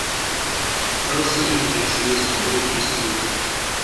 Aș vrea să evidențiez două chestiuni.